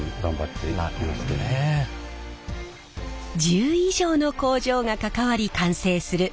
１０以上の工場が関わり完成する一枚の手ぬぐい。